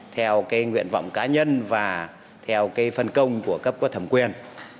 theo cái nguyện vọng cá nhân và theo cái phân công của cấp có thẩm quyền